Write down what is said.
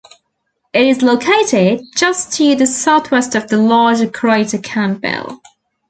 It is located just to the southwest of the larger crater Campbell.